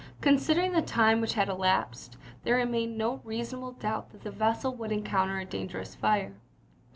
Considering the time which had elapsed, there re mained no reasonable doubt that the vessel would encounter a dangerous fire.